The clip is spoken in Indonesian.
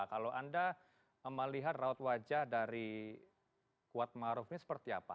kalau anda melihat raut wajah dari kuat maruf ini seperti apa